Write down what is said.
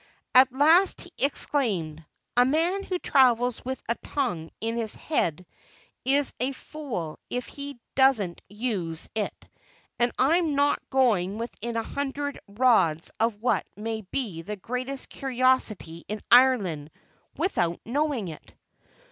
At last he exclaimed: "A man who travels with a tongue in his head is a fool if he don't use it; and I am not going within a hundred rods of what may be the greatest curiosity in Ireland, without knowing it."